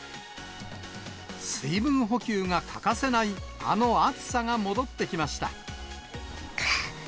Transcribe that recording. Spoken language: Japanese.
水分補給が欠かせない、あの暑さが戻ってきました。